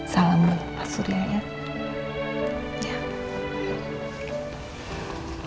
salam pak surya ya